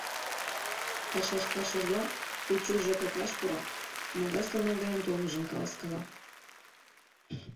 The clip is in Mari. Пашаш кайышыжла, Печу ЖКК-ш пура, могай сомыл дене толмыжым каласкала.